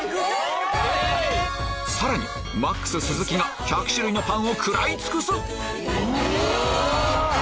さらにＭＡＸ鈴木が１００種類のパンを食らい尽くす！うわ！